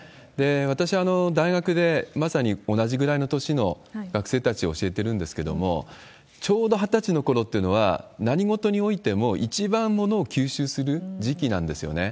私、大学でまさに同じぐらいの年の学生たちを教えてるんですけれども、ちょうど２０歳のころというのは、何事においても一番ものを吸収する時期なんですよね。